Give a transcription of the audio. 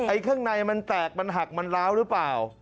ข้างในมันแตกมันหักมันล้าวหรือเปล่า